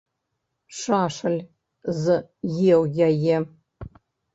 Шашаль з еў яе.